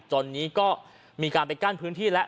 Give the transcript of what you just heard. ตอนนี้ก็มีการไปกั้นพื้นที่แล้ว